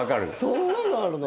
そんなのあるの？